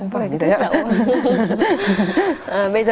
không phải như thế ạ